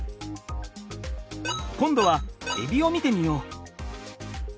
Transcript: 今度はえびを見てみよう。